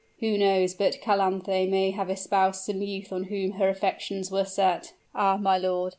"Who knows but Calanthe may have espoused some youth on whom her affections were set " "Ah! my lord!"